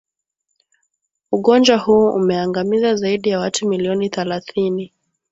ugonjwa huo umeangamiza zaidi ya watu milioni thalathini